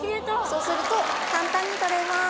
そうすると簡単に取れます！